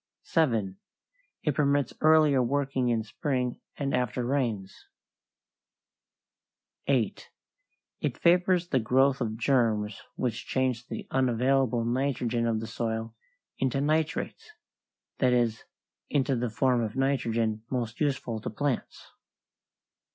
7. It permits earlier working in spring and after rains. [Illustration: FIG. 9. LAYING A TILE DRAIN] 8. It favors the growth of germs which change the unavailable nitrogen of the soil into nitrates; that is, into the form of nitrogen most useful to plants.